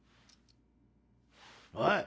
おい！